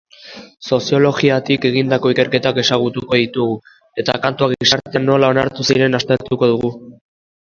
Soziologiatik egindako ikerketak ezagutuko ditugu eta kantuak gizartean nola onartu ziren aztertuko dugu.